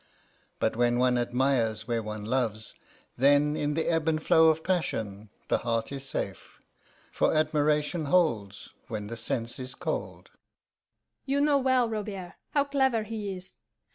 But when one admires where one loves, then in the ebb and flow of passion the heart is safe, for admiration holds when the sense is cold.